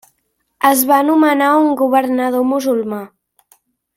Es va nomenar un governador musulmà.